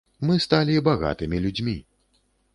Мы сталі багатымі людзьмі.